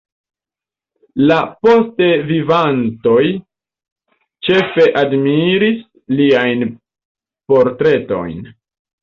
La poste vivantoj ĉefe admiris liajn portretojn.